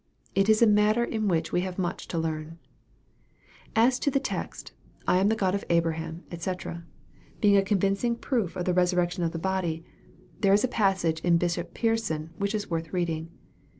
It is a matter in which we have much to learn. As to the text, " I am the God of Abraham, &c.." being a con vincing proof of the resurrection of the body, there is a passage in Bishop Pearson, which is worth reading.